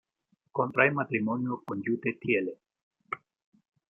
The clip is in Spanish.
Contrae matrimonio con Yute Thiele.